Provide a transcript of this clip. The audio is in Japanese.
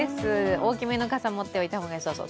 大きめの傘、持っていたらよさそう。